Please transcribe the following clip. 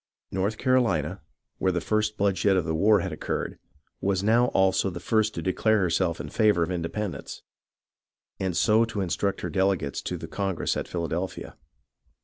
North Carolina, where the first bloodshed of the war had occurred, was now also the first to declare herself in favour of independence, and so to instruct her delegates to the Congress at Philadelphia.